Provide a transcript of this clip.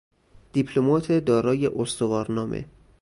دیپلمات دارای استوارنامه